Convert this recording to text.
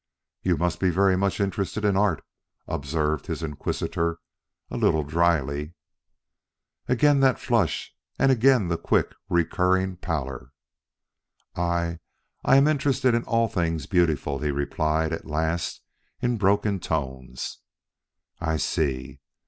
"You must be very much interested in art!" observed his inquisitor a little dryly. Again that flush and again the quick recurring pallor. "I I am interested in all things beautiful," he replied at last in broken tones. "I see.